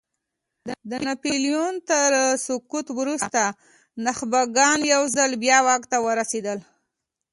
د ناپیلیون تر سقوط وروسته نخبګان یو ځل بیا واک ته ورسېدل.